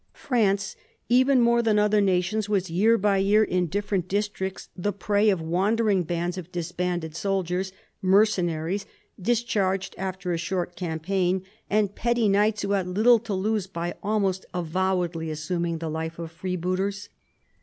France, even more than other nations, was year by year in different districts the prey of wandering bands of dis banded soldiers, mercenaries discharged after a short campaign, and petty knights who had little to lose by almost avowedly assuming the life of freebooters.